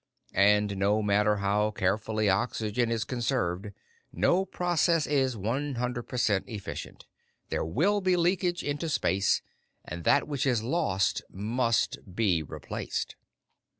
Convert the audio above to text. And no matter how carefully oxygen is conserved, no process is one hundred per cent efficient. There will be leakage into space, and that which is lost must be replaced.